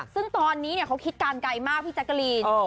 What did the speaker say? ซึ่งตอนนี้เขาคิดการไกลมากพี่แจ๊กกะลีน